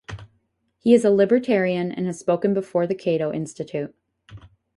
He is a libertarian and has spoken before the Cato Institute.